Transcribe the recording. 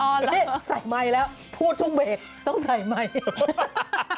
ออนเหรอเฮ่ยใส่ไมค์แล้วพูดทุกเวทต้องใส่ไมค์